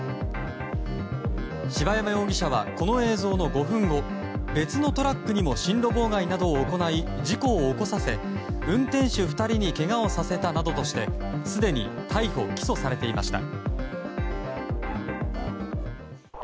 柴山容疑者はこの映像の５分後別のトラックにも進路妨害などを行い事故を起こさせ、運転手２人にけがをさせたなどとしてすでに逮捕・起訴されていました。